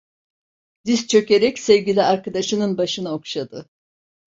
Diz çökerek sevgili arkadaşının başını okşadı.